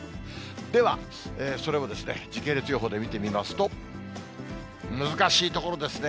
では、それを時系列予報で見てみますと、難しいところですね。